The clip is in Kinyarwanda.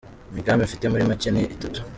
Imigambi mfite muri make ni itatu :.